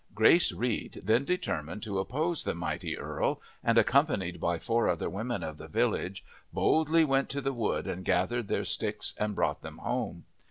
Grace Reed then determined to oppose the mighty earl, and accompanied by four other women of the village boldly went to the wood and gathered their sticks and brought them home.